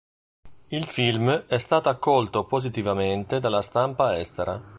Il film è stato accolto positivamente dalla stampa estera.